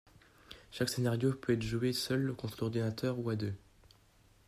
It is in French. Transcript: Chaque scénario peut être joué seul contre l’ordinateur ou à deux.